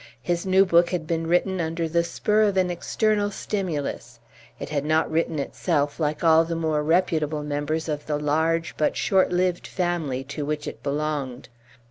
His new book had been written under the spur of an external stimulus; it had not written itself, like all the more reputable members of the large but short lived family to which it belonged.